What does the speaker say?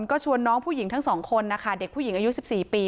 ก็ชวนน้องผู้หญิงทั้งสองคนนะคะเด็กผู้หญิงอายุ๑๔ปี